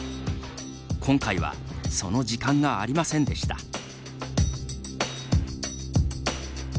今回はその時間がありませんでした。